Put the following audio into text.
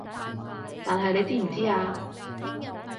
但係你知唔知啊